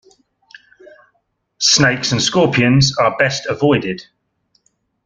Snakes and scorpions are best avoided.